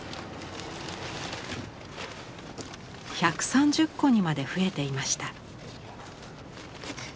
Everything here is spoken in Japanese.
１３０個にまで増えていました。